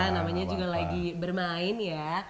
namanya juga lagi bermain ya